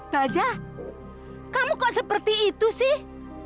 baja kamu kok seperti itu sih